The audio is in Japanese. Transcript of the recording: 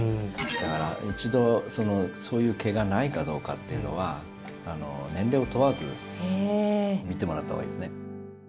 だから一度そういう気がないかっていうのは年齢を問わず診てもらったほうがいいですね。